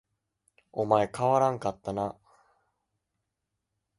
お前変わらんかったな